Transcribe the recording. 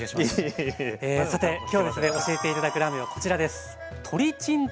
さて今日ですね教えて頂くラーメンはこちらです。